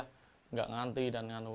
tidak menghenti dan mengandung